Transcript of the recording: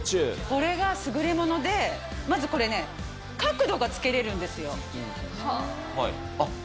これが優れもので、まずこれ、角度がつけれるんですよ。